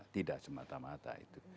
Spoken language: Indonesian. tidak semata mata itu